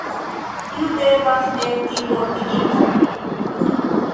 Iu devas esti mortigita.